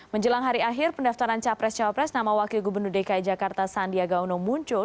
menjelang hari akhir pendaftaran capres cawapres nama wakil gubernur dki jakarta sandiagauno muncul